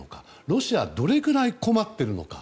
ロシアはどれくらい困っているのか。